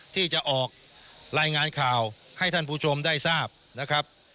ที่จะออกรายงานข่าวให้ท่านผู้ชมได้ทราบนะครับ